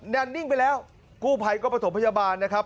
นั่นนิ่งไปแล้วกู้ภัยก็ประถมพยาบาลนะครับ